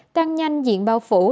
tăng nhanh diện bao phương